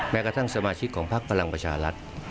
แม้กระทั่งสมาชิกของพักพลังประชารัฐ